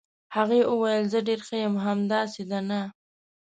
هغې وویل: زه ډېره ښه یم، همداسې ده، نه؟